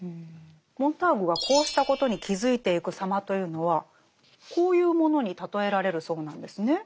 モンターグがこうしたことに気付いていく様というのはこういうものに例えられるそうなんですね。